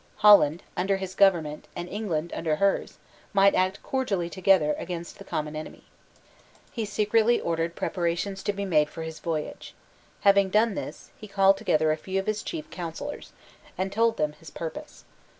Holland, under his government, and England under hers, might act cordially together against the common enemy. He secretly ordered preparations to be made for his voyage. Having done this, he called together a few of his chief counsellors, and told them his purpose.